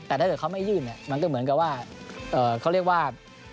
แต่ถ้าเกิดเขาไม่ยื่นเนี่ยมันก็เหมือนกับว่าเขาเรียกว่า